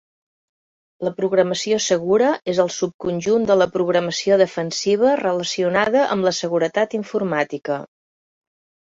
La programació segura és el subconjunt de la programació defensiva relacionada amb la seguretat informàtica.